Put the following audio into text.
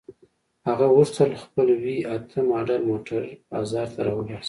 هغه غوښتل خپل وي اته ماډل موټر بازار ته را وباسي.